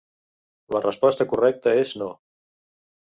La resposta correcta és no.